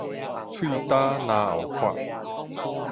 喙焦嚨喉渴